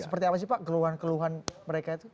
seperti apa sih pak keluhan keluhan mereka itu